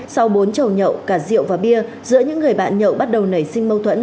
sau bốn trậu nhậu cả rượu và bia giữa những người bạn nhậu bắt đầu nảy sinh mâu thuẫn